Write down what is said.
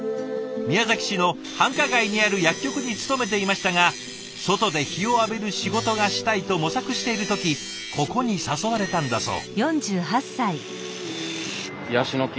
宮崎市の繁華街にある薬局に勤めていましたが外で日を浴びる仕事がしたいと模索している時ここに誘われたんだそう。